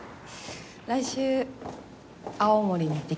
来週青森に行ってきます。